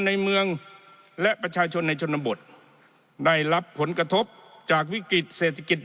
ในเมืองและประชาชนในชนบทได้รับผลกระทบจากวิกฤติเศรษฐกิจ